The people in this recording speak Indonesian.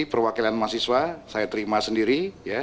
perwakilan mahasiswa saya terima sendiri